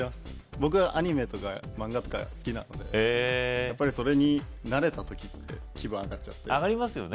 僕アニメとか漫画とか好きなのでやっぱりそれになれた時って気分上がっちゃって上がりますよね